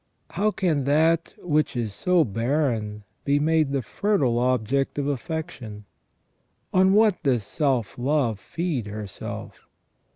How can that which is so barren be made the fertile object of affection ? On what does self love feed herself?